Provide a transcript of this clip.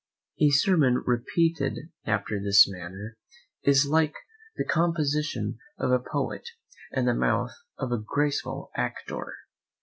A sermon repeated after this manner, is like the composition of a poet in the mouth of a graceful actor.